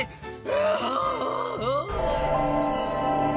ああ！